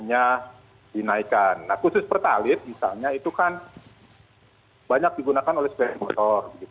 hanya dinaikkan nah khusus pertalit misalnya itu kan banyak digunakan oleh sebuah motor